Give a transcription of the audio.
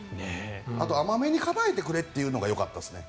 あと、甘めに構えてくれっていうのがよかったですね。